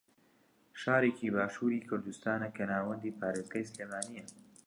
شارێکی باشووری کوردستانە کە ناوەندی پارێزگای سلێمانییە